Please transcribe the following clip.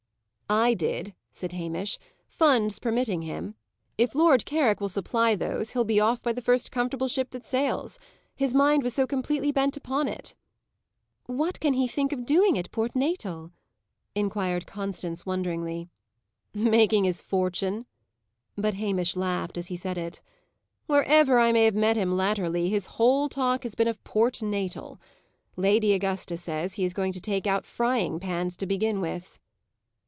"I did," said Hamish, "funds permitting him. If Lord Carrick will supply those, he'll be off by the first comfortable ship that sails. His mind was so completely bent upon it." "What can he think of doing at Port Natal?" inquired Constance, wonderingly. "Making his fortune." But Hamish laughed as he said it. "Wherever I may have met him latterly, his whole talk has been of Port Natal. Lady Augusta says he is going to take out frying pans to begin with."